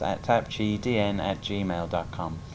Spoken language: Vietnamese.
at tạp chí dn at gmail dot com